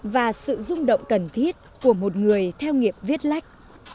và sự rung động cần thiết của một người theo nghiệp viết lách